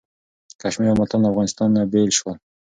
کشمیر او ملتان له افغانستان نه بیل شول.